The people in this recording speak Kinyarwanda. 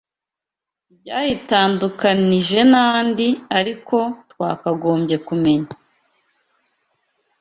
ryayitandukanije nandi Ariko twakagombye kumenya